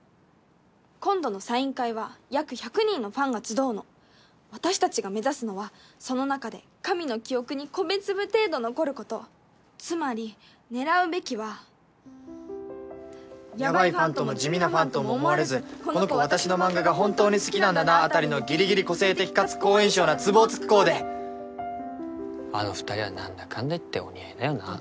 今度のサイン会は約１００人のファンが集うの私たちが目指すのはその中で神の記憶に米粒程度残ることつまり狙うべきはやばいファンとも地味なファンとも思われずこの子私の漫画が本当に好きなんだなあたりのギリギリ個性的かつ好印象なツボを突くコーデあの２人はなんだかんだいってお似合いだよな